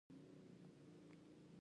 په افغانستان کې د بزګانو ډېرې منابع شته.